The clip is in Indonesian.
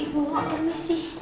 ibu maka permisi